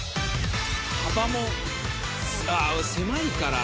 幅も狭いから。